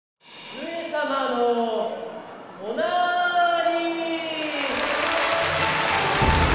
上様のおなーりー。